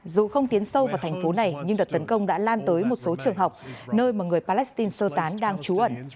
dù không tiến sâu vào thành phố này nhưng đợt tấn công đã lan tới một số trường học nơi mà người palestine sơ tán đang trú ẩn